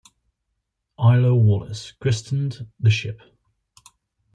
Ilo Wallace christened the ship.